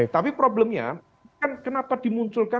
tapi problemnya kan kenapa dimunculkan